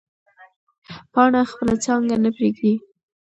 پاڼه خپله څانګه نه پرېږدي.